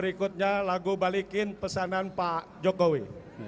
semuanya ada disini rumah kita sendiri